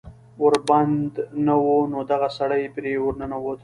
ور بند نه و نو دغه سړی پې ور ننوت